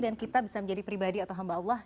dan kita bisa menjadi pribadi atau hamba allah